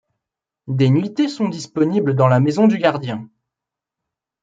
Des nuitées sont disponibles dans la maison du gardien.